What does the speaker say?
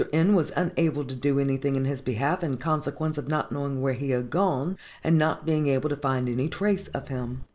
N. was unable to do anything in his behalf, in consequence of not knowing where he had gone, and not being able to find any trace of him.